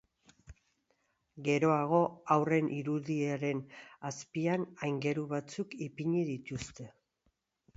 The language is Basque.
Geroago, haurren irudiaren azpian aingeru batzuk ipini dituzte.